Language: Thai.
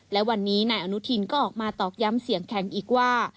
และวันนี้นายอนุทินก็ออกมาตอกย้ำเสียงแข็งอีกว่า